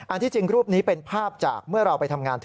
ที่จริงรูปนี้เป็นภาพจากเมื่อเราไปทำงานที่